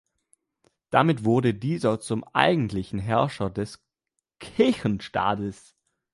Damit wurde dieser zum eigentlichen Herrscher des Kirchenstaates.